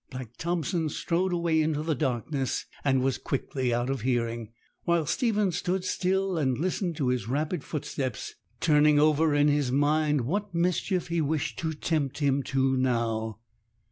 Black Thompson strode away into the darkness, and was quickly out of hearing, while Stephen stood still and listened to his rapid footsteps, turning over in his mind what mischief he wished to tempt him to now.